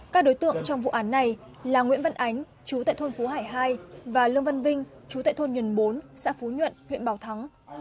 các đối tượng trong vụ án này là nguyễn văn ánh chú tại thôn phú hải hai và lương văn vinh chú tại thôn nhuần bốn xã phú nhuận huyện bảo thắng